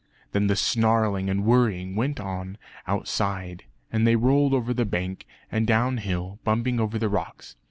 Then the snarling and worrying went on outside; and they rolled over the bank, and down hill, bumping over the rocks.